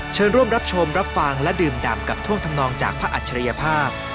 เชิญร่วมรับชมรับฟังและดื่มดำกับท่วงทำนองจากพระอัจฉริยภาพ